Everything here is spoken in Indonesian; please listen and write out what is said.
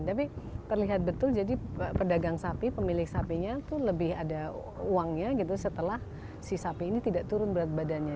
tapi terlihat betul jadi pedagang sapi pemilik sapinya itu lebih ada uangnya gitu setelah si sapi ini tidak turun berat badannya